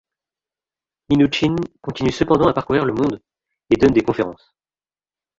Minuchin continue cependant à parcourir le monde et donne des conférences.